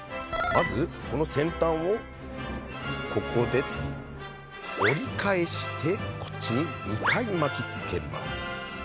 まずこの先端をここで折り返してこっちに２回巻きつけます。